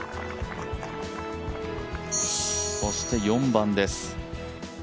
そして４番です。